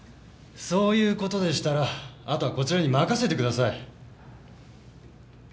そういう事でしたらあとはこちらに任せてください。